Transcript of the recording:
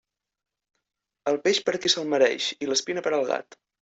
El peix, per al qui se'l mereix, i l'espina per al gat.